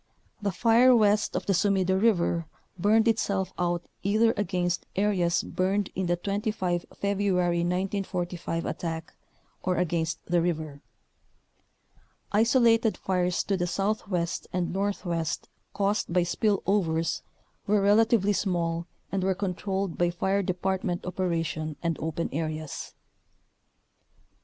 The fire west of the Sumida River burned itself out either against areas burned in the 25 February 1945 attack, or against the river. Isolated fires to the southwest and northwest caused by spill overs were relatively small and were controlled by fire department operation and open areas.